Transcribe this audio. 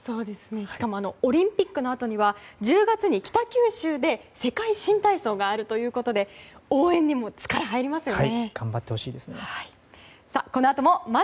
しかもオリンピックのあとには１０月に北九州で世界新体操があるということで応援にも力が入りますよね。